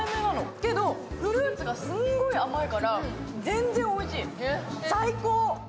けど、フルーツがすんごい甘いから全然おいしい、最高！